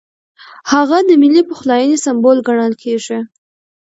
هغه د ملي پخلاینې سمبول ګڼل کېږي.